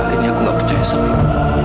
kali ini aku tidak percaya sama ibu